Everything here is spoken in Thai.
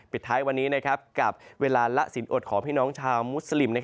ปิดท้ายวันนี้กับเวลาละสินอดของพี่น้องชาวมุสลิม